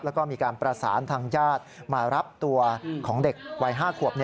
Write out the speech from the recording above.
แล้วก็มีการประสานทางญาติมารับตัวของเด็กวัย๕ขวบ